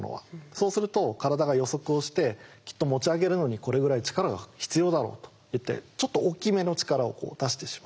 そうすると体が予測をして「きっと持ち上げるのにこれぐらい力が必要だろう」といってちょっと大きめの力を出してしまう。